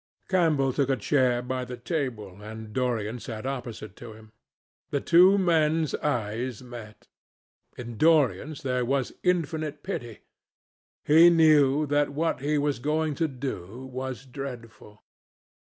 Campbell took a chair by the table, and Dorian sat opposite to him. The two men's eyes met. In Dorian's there was infinite pity. He knew that what he was going to do was dreadful.